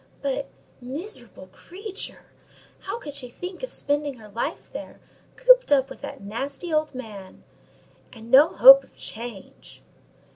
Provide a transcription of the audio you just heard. "But—miserable creature! how can she think of spending her life there, cooped up with that nasty old man; and no hope of change?"